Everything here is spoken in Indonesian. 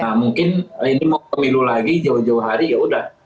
nah mungkin ini mau pemilu lagi jauh jauh hari ya udah